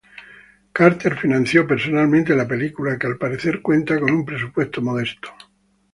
Carter financió personalmente la película, que al parecer cuenta con un presupuesto modesto.